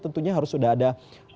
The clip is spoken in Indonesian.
tentunya harus sudah ada